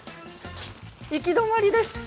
行き止まりです。